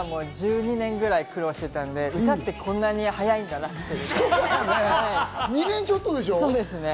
芸人では１２年くらい苦労してたんで、歌ってこんなに早いんだなって。